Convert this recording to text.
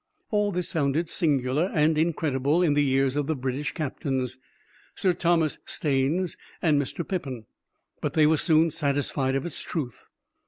All this sounded singular and incredible in the ears of the British captains, Sir Thomas Staines and Mr. Pipon; but they were soon satisfied of its truth.